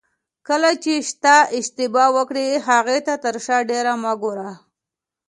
کله چې ته اشتباه وکړې هغې ته تر شا ډېر مه ګوره.